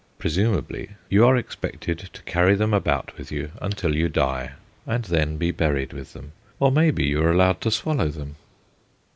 Presumably, you are expected to carry them about with you until you die, and then be buried with them; or, maybe, you are allowed to swallow them.